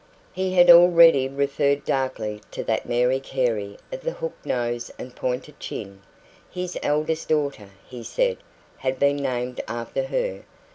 He had already referred darkly to that Mary Carey of the hooked nose and pointed chin. His eldest daughter, he said, had been named after her.